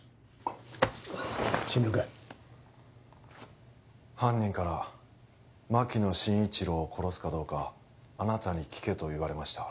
志村君犯人から牧野真一郎を殺すかどうかあなたに聞けと言われました